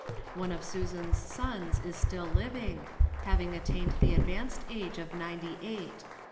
One of Susan's sons is still liv ing, having attained the advanced age of ninety eight.